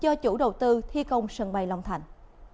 do chủ đầu tư thi công sân bay long thành